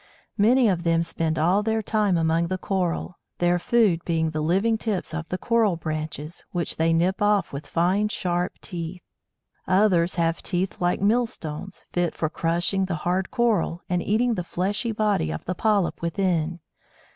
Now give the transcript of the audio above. Many of them spend all their time among the Coral, their food being the living tips of the Coral "branches," which they nip off with fine, sharp teeth. Others have teeth like millstones, fit for crushing the hard Coral, and eating the fleshy body of the polyp within.